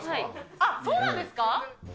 あっ、そうなんですか。